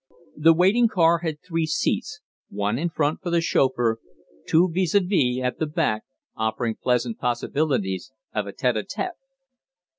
The waiting car had three seats one in front for the chauffeur, two vis a vis at the back, offering pleasant possibilities of a tete a tete.